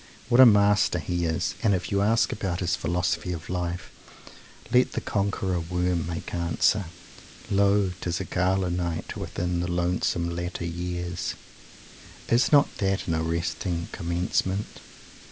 What a master he is! And if you ask about his "philosophy of life," let the Conqueror Worm make answer: "Lo! Tis a Gala Night Within the lonesome latter years " Is not that an arresting commencement?